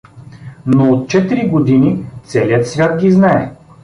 Но от четири години целият свят ги знае.